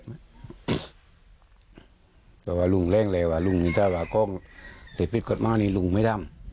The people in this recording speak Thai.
แต่ว่าลุงแรงลุงถ้าว่าโค้งเสพริษก็ไม่รู้ไม่รัม